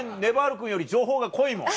君より情報が濃いもん。